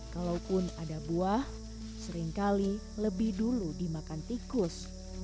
kalaupun ada buah seringkali lebih dulu dimakan tikus